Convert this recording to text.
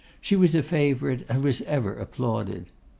She was a favourite, and was ever applauded.